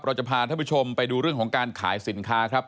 เราจะพาท่านผู้ชมไปดูเรื่องของการขายสินค้าครับ